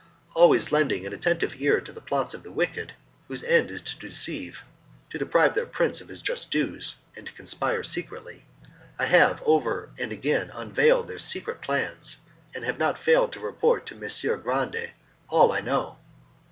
Always lending an attentive ear to the plots of the wicked, whose end is to deceive, to deprive their prince of his just dues, and to conspire secretly, I have over and again unveiled their secret plans, and have not failed to report to Messer Grande all I know.